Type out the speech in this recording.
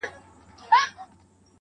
• زه خو پاچا نه؛ خپلو خلگو پر سر ووهلم.